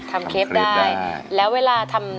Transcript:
เคปได้แล้วเวลาทำ